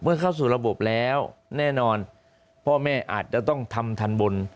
เข้าสู่ระบบแล้วแน่นอนพ่อแม่อาจจะต้องทำทันบน